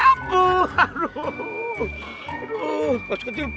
aduh bos ketiu